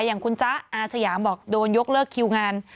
อย่างคุณจ๊ะอาสยามบอกโดนยกเลิกคิวงาน